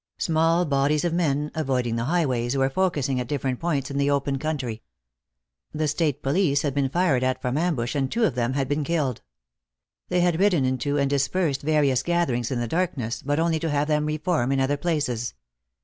Small bodies of men, avoiding the highways, were focusing at different points in the open country. The state police had been fired at from ambush, and two of them had been killed. They had ridden into and dispersed various gatherings in the darkness, but only to have them re form in other places.